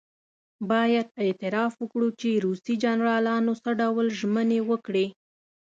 باید اعتراف وکړو چې روسي جنرالانو څه ډول ژمنې وکړې.